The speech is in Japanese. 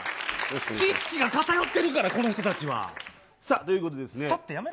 知識が偏ってるから、この人たちは。さあ、ということでですね。